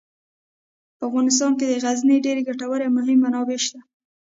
په افغانستان کې د غزني ډیرې ګټورې او مهمې منابع شته.